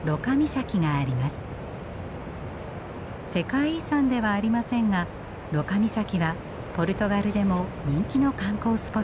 世界遺産ではありませんがロカ岬はポルトガルでも人気の観光スポットです。